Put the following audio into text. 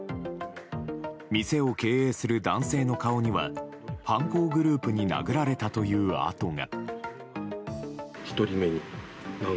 店を経営する男性の顔には犯行グループに殴られたという痕が。